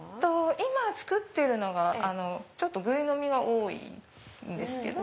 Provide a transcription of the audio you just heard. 今作ってるのがぐい飲みが多いんですけど。